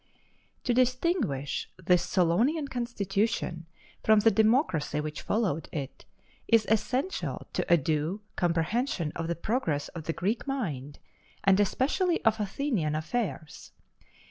To distinguish this Solonian constitution from the democracy which followed it, is essential to a due comprehension of the progress of the Greek mind, and especially of Athenian affairs.